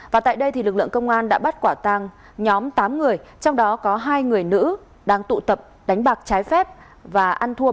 và tại đây lực lượng công an đã bắt quả tăng nhóm tám người trong đó có hai người nữ đang tụ tập đánh bạc trái phép và ăn thua